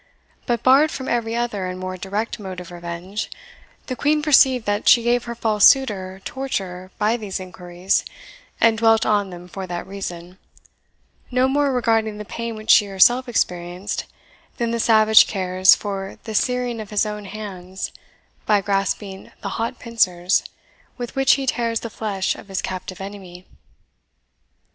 But barred from every other and more direct mode of revenge, the Queen perceived that she gave her false suitor torture by these inquiries, and dwelt on them for that reason, no more regarding the pain which she herself experienced, than the savage cares for the searing of his own hands by grasping the hot pincers with which he tears the flesh of his captive enemy.